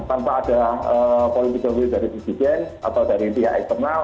tanpa ada political will dari presiden atau dari pihak eksternal